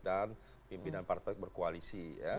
dan pimpinan partai berkoalisi